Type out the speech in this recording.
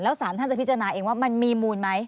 สารท่านจะพิจารณาเองว่ามันมีมูลไหม